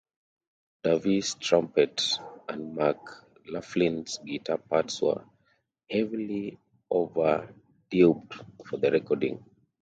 Davis's trumpet and McLaughlin's guitar parts were heavily overdubbed for the recording.